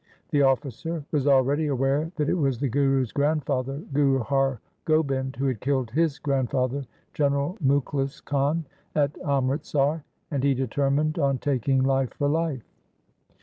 The officer was already aware that it was the Guru's grandfather, Guru Har Gobind, who had killed his grandfather, General Mukhlis Khan, at Amritsar, and he deter mined on taking life for life.